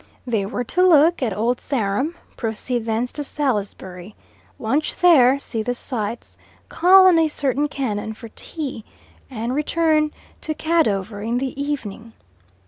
They were to look at Old Sarum, proceed thence to Salisbury, lunch there, see the sights, call on a certain canon for tea, and return to Cadover in the evening.